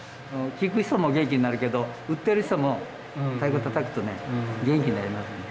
聞く人も元気になるけど打ってる人も太鼓をたたくとね元気になりますね。